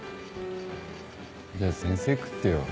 じゃあ先生食ってよ。